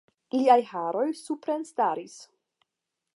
Liaj haroj suprenstaris.